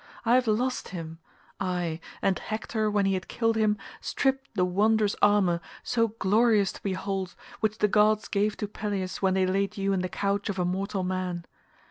I have lost him; aye, and Hector when he had killed him stripped the wondrous armour, so glorious to behold, which the gods gave to Peleus when they laid you in the couch of a mortal man.